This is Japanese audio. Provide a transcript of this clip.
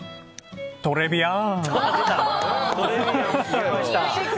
トレビアン！